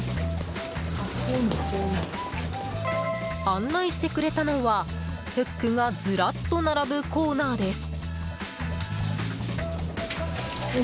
案内してくれたのは、フックがずらっと並ぶコーナーです。